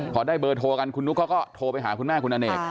พอได้เบอร์โทรกันคุณนุ๊กเขาก็โทรไปหาคุณแม่คุณอเนก